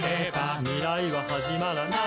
「未来ははじまらない」